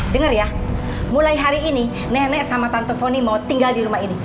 dengar ya mulai hari ini nenek sama tante foni mau tinggal di rumah ini